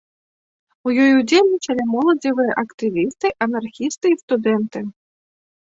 У ёй удзельнічалі моладзевыя актывісты, анархісты і студэнты.